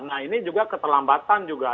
nah ini juga keterlambatan juga